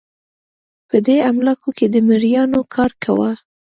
په دې املاکو کې مریانو کار کاوه.